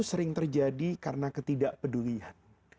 sering terjadi karena ketidakpedulian